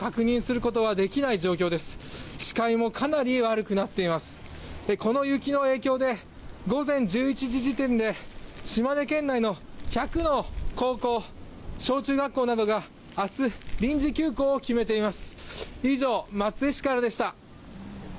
この雪の影響で午前１１時時点で島根県内の１００の高校、小中学校などが明日、臨時休校を決めています。